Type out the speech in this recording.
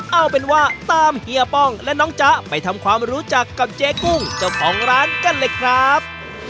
เอาเป็นว่าตามเฮียป้องและน้องจ๊ะไปทำความรู้จักกับเจ๊กุ้งเจ้าของร้านกันเลยครับ